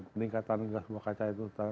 peningkatan gas rumah kaca